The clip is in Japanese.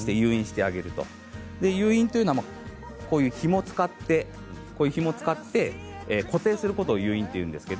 誘引というのはひもを使って固定することを誘引といいます。